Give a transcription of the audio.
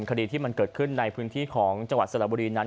คดีที่มันเกิดขึ้นในพื้นที่ของจังหวัดสระบุรีนั้น